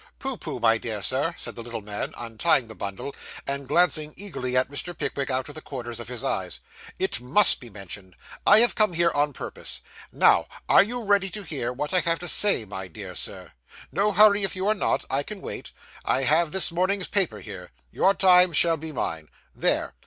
'Pooh, pooh, my dear Sir,' said the little man, untying the bundle, and glancing eagerly at Mr. Pickwick out of the corners of his eyes. 'It must be mentioned. I have come here on purpose. Now, are you ready to hear what I have to say, my dear Sir? No hurry; if you are not, I can wait. I have this morning's paper here. Your time shall be mine. There!